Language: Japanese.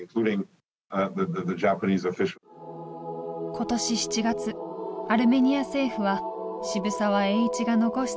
今年７月アルメニア政府は渋沢栄一が残した功績をたたえ